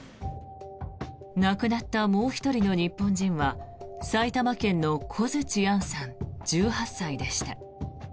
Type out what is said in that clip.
亡くなったもう１人の日本人は埼玉県の小槌杏さん１８歳でした。